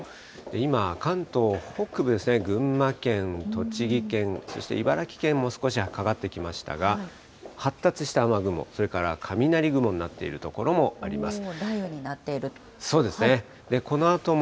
今、関東北部、群馬県、栃木県、そして茨城県も少しかかってきましたが、発達した雨雲、それから雷雲になっている所もあります。